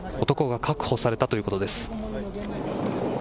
男が確保されたということです。